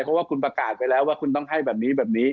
เพราะว่าคุณประกาศไปแล้วว่าคุณต้องให้แบบนี้แบบนี้